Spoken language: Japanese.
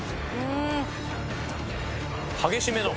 激しめだ。